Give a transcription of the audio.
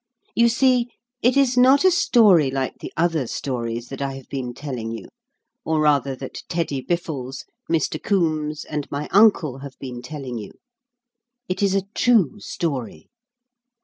You see it is not a story like the other stories that I have been telling you, or rather that Teddy Biffles, Mr. Coombes, and my uncle have been telling you: it is a true story.